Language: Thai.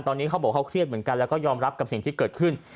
ตอนนี้เขาบอกเขาเครียดเหมือนกันแล้วก็ยอมรับกับสิ่งที่เกิดขึ้น